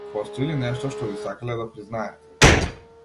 Постои ли нешто што би сакале да признаете?